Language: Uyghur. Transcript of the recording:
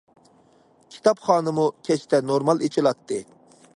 كىتابخانىمۇ كەچتە نورمال ئېچىلاتتى.